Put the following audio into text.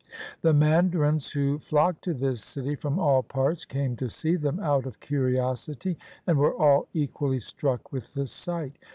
The mandarins, who flock to this city from all parts, came to see them out of curiosity, and were all equally struck with the sight.